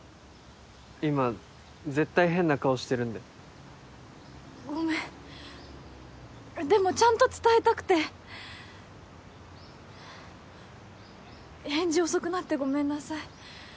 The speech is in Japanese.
今絶対変な顔してるんでごめんでもちゃんと伝えたくて返事遅くなってごめんなさい